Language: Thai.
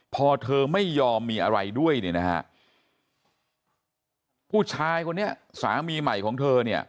พอเธอไม่ยอมมีอะไรด้วยผู้ชายคนนี้สามีใหม่ของเธอ